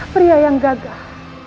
pria yang gagah